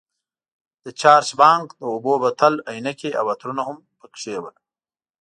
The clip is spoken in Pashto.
د چارج بانک، د اوبو بوتل، عینکې او عطرونه هم پکې وو.